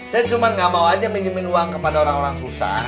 saya cuma nggak mau aja minjemin uang kepada orang orang susah